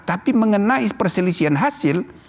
tapi mengenai perselisihan hasil